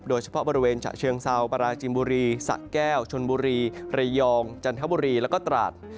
โดยเฉพาะบริเวณฉะเชิงเซาปราจินบุรีสะแก้วชนบุรีระยองจันทบุรีแล้วก็ตราด